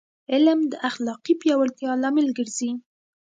علم د اخلاقي پیاوړتیا لامل ګرځي.